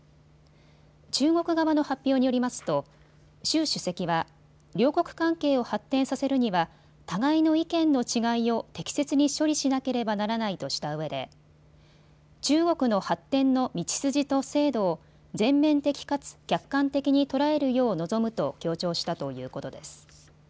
中国側の発表によりますと習主席は両国関係を発展させるには互いの意見の違いを適切に処理しなければならないとしたうえで中国の発展の道筋と制度を全面的かつ客観的に捉えるよう望むと強調したということです。